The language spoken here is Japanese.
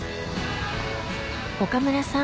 岡村さん